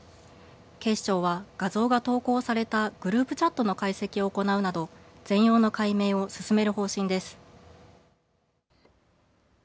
警視庁は画像が投稿されたグループチャットの解析を行うなど全容の解明を進める方針です。